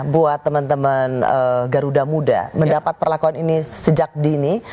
buat teman teman garuda muda mendapat perlakuan ini sejak dini